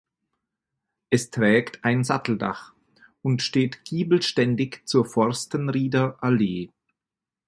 Es trägt ein Satteldach und steht giebelständig zur Forstenrieder Allee.